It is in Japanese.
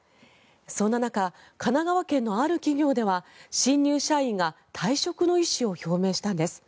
そんな中神奈川県のある企業では新入社員が退職の意思を表明したんです。